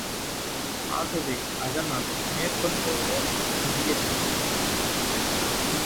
ஆகவே அதனால் மேற்கொண்டு ஓட முடியவில்லை.